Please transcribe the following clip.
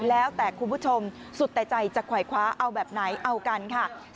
แล้วแต่คุณผู้ชมสุดแต่ใจจะขวายคว้าเอาแบบไหนเอากันค่ะ